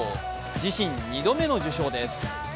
自身２度目の受賞です。